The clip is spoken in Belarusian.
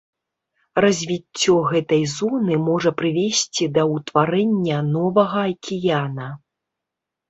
Развіццё гэтай зоны можа прывесці да ўтварэння новага акіяна.